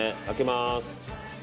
開けます。